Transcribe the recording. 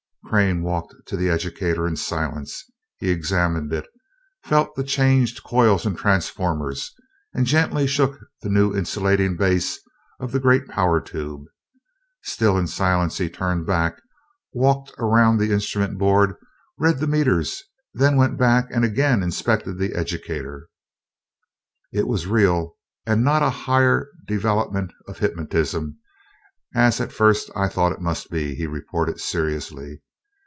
Crane walked to the educator in silence. He examined it, felt the changed coils and transformers, and gently shook the new insulating base of the great power tube. Still in silence he turned his back, walked around the instrument board, read the meters, then went back and again inspected the educator. "It was real, and not a higher development of hypnotism, as at first I thought it must be," he reported seriously.